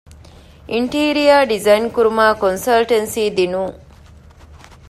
އިންޓީރިއަރ ޑިޒައިން ކުރުމާއި ކޮންސަލްޓަންސީ ދިނުން